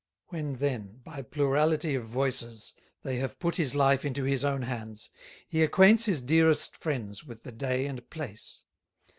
When then, by plurality of Voices, they have put his Life into his own Hands, he acquaints his dearest Friends with the day and place.